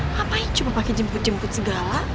ngapain cuma pakai jemput jemput segala